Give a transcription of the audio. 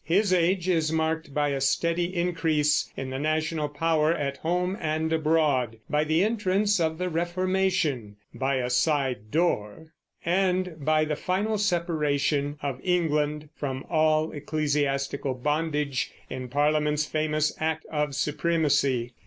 His age is marked by a steady increase in the national power at home and abroad, by the entrance of the Reformation "by a side door," and by the final separation of England from all ecclesiastical bondage in Parliament's famous Act of Supremacy.